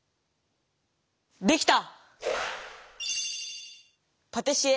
できた！